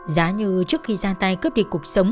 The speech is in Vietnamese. giá như trước khi ra tay cướp đi cuộc sống